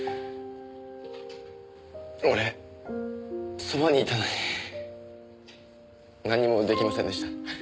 俺そばにいたのになんにも出来ませんでした。